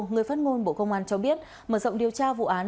người phát ngôn bộ công an cho biết mở rộng điều tra vụ án